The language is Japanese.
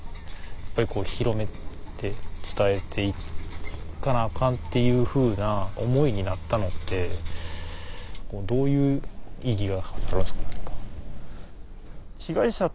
「やっぱり広めて伝えて行かなアカン」っていうふうな思いになったのってどういう意義が。